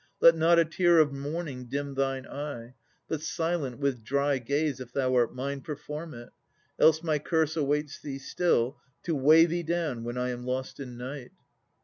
Let not a tear of mourning dim thine eye; But silent, with dry gaze, if thou art mine, Perform it. Else my curse awaits thee still To weigh thee down when I am lost in night.